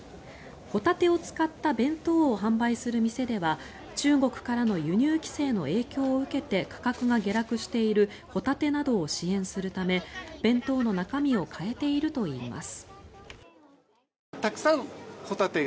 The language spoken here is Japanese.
ホタテを使った弁当を販売する店では中国からの輸入規制の影響を受けて価格が下落しているホタテなどを支援するため弁当の中身を変えているといいます。